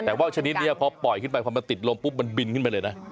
แต่ว่าชนิดนี้พอปล่อยขึ้นไปพอมันติดลมปุ๊บมันบินขึ้นไปเลยนะ